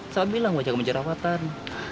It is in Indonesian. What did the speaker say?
siapa bilang wajah kamu jerawatan